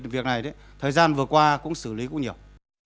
việc này thời gian vừa qua cũng xử lý cũng nhiều